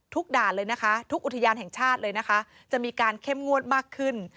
ทุกด่านทุกอุทยานแห่งชาติจะมีการเข้มงวดมากขึ้น